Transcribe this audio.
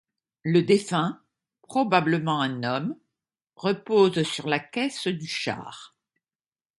Le défunt, probablement un homme, repose sur la caisse du char.